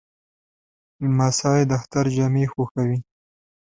لمسی د اختر جامې خوښوي.